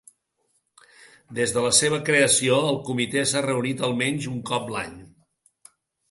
Des de la seva creació, el comitè s'ha reunit almenys un cop l'any.